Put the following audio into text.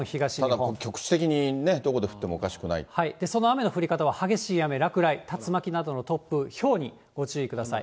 だから局地的にね、その雨の降り方は激しい雨、落雷、竜巻などの突風、ひょうにご注意ください。